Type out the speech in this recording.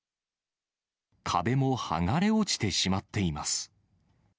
壁も剥がれ落ちてしまっています。